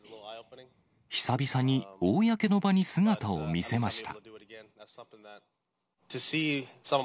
久々に公の場に姿を見せました。